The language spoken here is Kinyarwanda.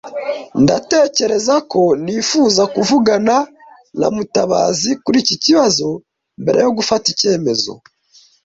Ndatekereza ko nifuza kuvugana na Mutabazi kuri iki kibazo mbere yo gufata icyemezo.